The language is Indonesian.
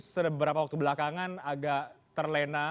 seberapa waktu belakangan agak terlena